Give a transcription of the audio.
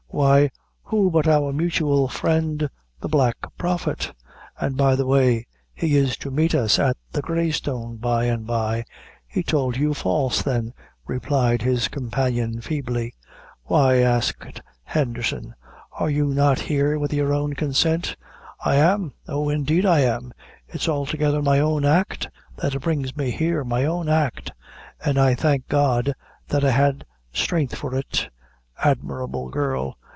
why who but our mutual friend, the Black Prophet; and by the way, he is to meet us at the Grey Stone, by and by." "He tould you false, then," replied his companion, feebly. "Why," asked Henderson, "are you not here with your own consent?" "I am oh, indeed, I am, it's altogether my own act that brings me here my own act an' I thank God, that I had strength for it." "Admirable girl!